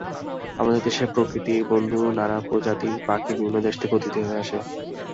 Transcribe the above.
আমাদের দেশে প্রকৃতির বন্ধু নানা প্রজাতির পাখি বিভিন্ন দেশ থেকে অতিথি হয়ে আসে।